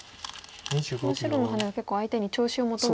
その白のハネは結構相手に調子を求めた。